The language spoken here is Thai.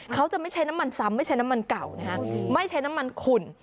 เขาจะไม่ใช้น้ำมันซ้ำไม่ใช้น้ำมันเก่านะฮะไม่ใช้น้ำมันขุ่น